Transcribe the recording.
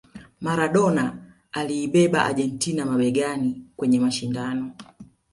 Maradona aliibeba Argentina mabegani kwenye mashindano